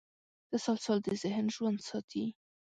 تسلسل د ذهن ژوند ساتي.